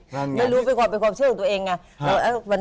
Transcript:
ไม่รู้เป็นความเชื่อของตัวเอง